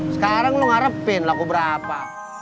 sekarang lo ngarepin lagu berapa